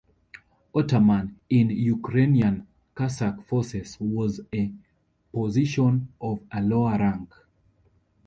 "Otaman" in Ukrainian Cossack forces was a position of a lower rank.